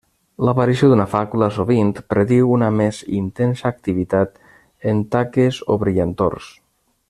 L'aparició d'una fàcula, sovint, prediu una més intensa activitat en taques o brillantors.